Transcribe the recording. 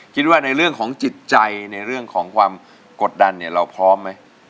คิดว่าในเรื่องของจิตใจในเรื่องของความกดดันเนี่ยเราพร้อมไหม